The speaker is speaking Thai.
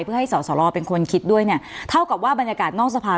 เพื่อให้สอสรเป็นคนคิดด้วยเนี่ยเท่ากับว่าบรรยากาศนอกสภา